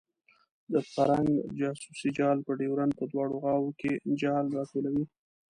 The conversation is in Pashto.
د فرنګ جاسوسي جال په ډیورنډ په دواړو غاړو کې جال راټولوي.